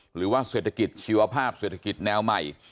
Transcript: หรือว่าเศรษฐกิจชีวภาพเศรษฐกิจแนวใหม่